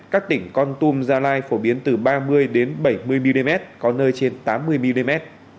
các tỉnh con tum gia lai phổ biến từ ba mươi bảy mươi mm có nơi trên tám mươi mm